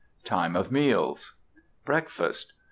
TIME OF MEALS. BREAKFAST.